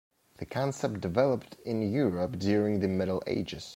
The concept developed in Europe during the Middle Ages.